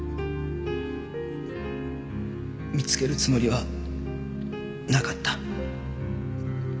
見つけるつもりはなかった。